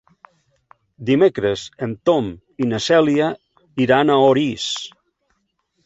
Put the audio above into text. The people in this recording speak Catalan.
Dimecres en Tom i na Cèlia iran a Orís.